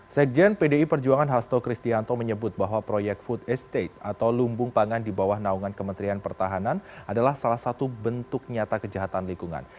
sekjen pdi perjuangan hasto kristianto menyebut bahwa proyek food estate atau lumbung pangan di bawah naungan kementerian pertahanan adalah salah satu bentuk nyata kejahatan lingkungan